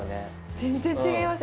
全然違いました。